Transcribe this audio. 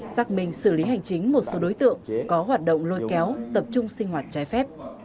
xác minh xử lý hành chính một số đối tượng có hoạt động lôi kéo tập trung sinh hoạt trái phép